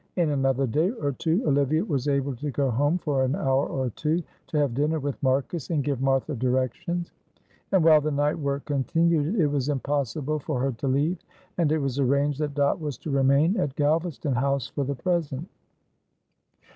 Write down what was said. In another day or two Olivia was able to go home for an hour or two to have dinner with Marcus and give Martha directions; but while the night work continued it was impossible for her to leave. And it was arranged that Dot was to remain at Galvaston House for the present.